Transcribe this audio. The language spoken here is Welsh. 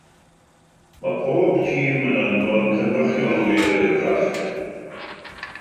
Mae pob tîm yn anfon cynrychiolwyr i'r drafft.